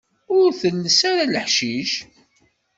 Ur telles ara leḥcic.